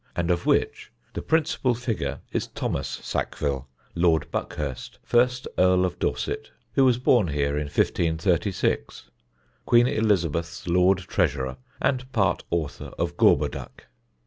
and of which the principal figure is Thomas Sackville, Lord Buckhurst, first Earl of Dorset, who was born here in 1536, Queen Elizabeth's Lord Treasurer and part author of Gorboduc.